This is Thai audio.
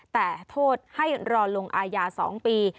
แต่โทษให้รอลงอาญา๒ปี